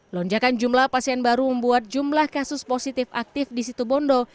lonjakan jumlah pasien baru membuat jumlah kasus positif aktif di situ bondo